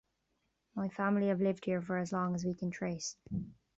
My family have lived here for as long as we can trace.